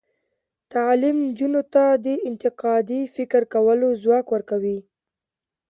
تعلیم نجونو ته د انتقادي فکر کولو ځواک ورکوي.